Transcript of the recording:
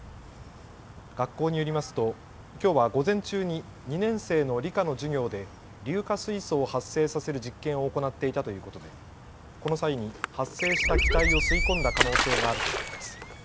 学校によりますときょうは午前中に２年生の理科の授業で硫化水素を発生させる実験を行っていたということでこの際に発生した気体を吸い込んだ可能性があるということです。